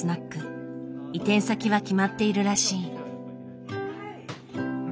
移転先は決まっているらしい。